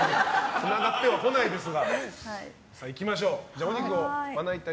つながってはこないですが。